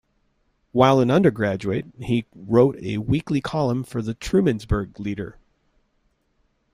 While an undergraduate, he wrote a weekly column for the "Trumansburg Leader".